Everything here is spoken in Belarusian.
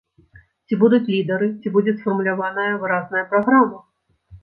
Ці будуць лідары, ці будзе сфармуляваная выразная праграма.